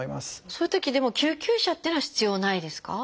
そういうときでも救急車っていうのは必要ないですか？